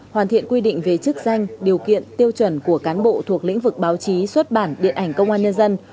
hoàn thiện quy định về chức danh điều kiện tiêu chuẩn của cán bộ thuộc lĩnh vực báo chí xuất bản điện ảnh công an nhân dân